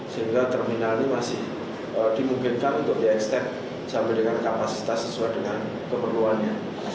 sehingga terminal ini masih dimungkinkan untuk di except sampai dengan kapasitas sesuai dengan keperluannya